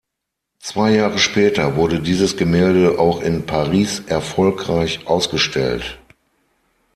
Zwei Jahre später wurde dieses Gemälde auch in Paris erfolgreich ausgestellt.